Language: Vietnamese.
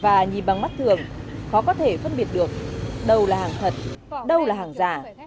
và nhìn bằng mắt thường khó có thể phân biệt được đâu là hàng thật đâu là hàng giả